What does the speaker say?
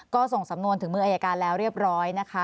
ก็ส่งสำนวนถึงมืออายการแล้วเรียบร้อยนะคะ